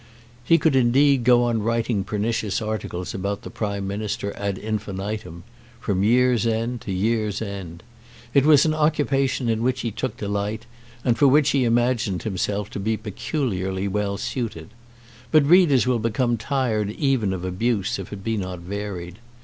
He could indeed go on writing pernicious articles about the Prime Minister ad infinitum, from year's end to year's end. It was an occupation in which he took delight, and for which he imagined himself to be peculiarly well suited. But readers will become tired even of abuse if it be not varied.